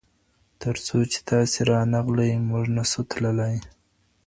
تر څو چي تاسي رانغلئ موږ نه سو تللای.